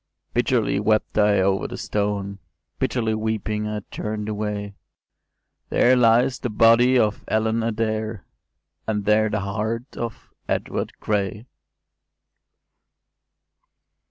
“Bitterly wept I over the stone: Bitterly weeping I turn’d away; There lies the body of Ellen Adair! And there the heart of Edward Gray!